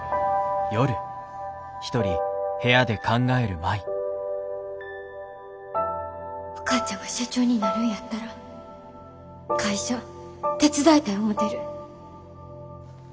回想お母ちゃんが社長になるんやったら会社手伝いたい思てる。